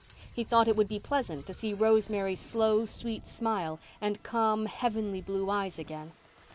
He thought it would be pleasant to see Rosemary's slow, sweet smile and calm, heavenly blue eyes again.